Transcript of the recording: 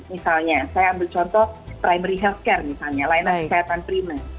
misalnya saya ambil contoh primary health care misalnya lainnya kesehatan primer